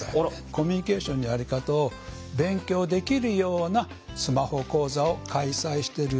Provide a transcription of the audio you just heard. コミュニケーションのやり方を勉強できるようなスマホ講座を開催してる